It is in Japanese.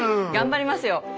頑張りますよ。